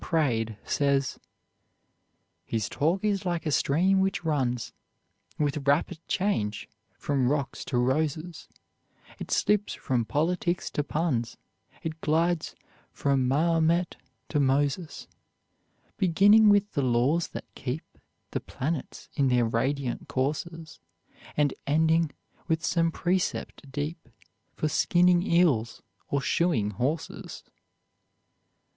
Praed says: His talk is like a stream which runs With rapid change from rocks to roses, It slips from politics to puns, It glides from Mahomet to Moses: Beginning with the laws that keep The planets in their radiant courses, And ending with some precept deep For skinning eels or shoeing horses.